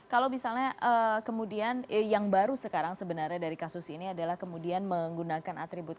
kalau misalnya kemudian yang baru sekarang sebenarnya dari kasus ini adalah kemudian menggunakan atribut